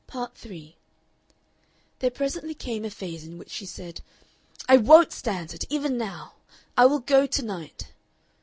Part 3 There presently came a phase in which she said: "I WON'T stand it even now. I will go to night."